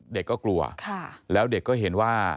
เด็กก็กลัวแล้วเด็กก็เห็นว่า